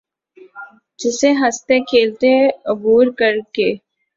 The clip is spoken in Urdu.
جسے ہنستے کھیلتے عبور کر کے